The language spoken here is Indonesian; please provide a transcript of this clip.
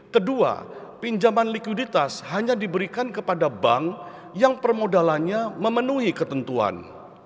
kedua pinjaman likuiditas hanya diberikan kepada bank yang permodalannya memenuhi ketentuan